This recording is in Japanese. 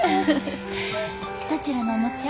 どちらのおもちゃ？